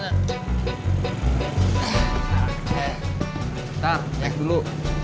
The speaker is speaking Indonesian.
ntar naik dulu